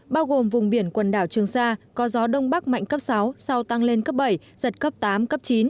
bao gồm vùng biển quần đảo trường sa có gió đông bắc mạnh cấp sáu sau tăng lên cấp bảy giật cấp tám cấp chín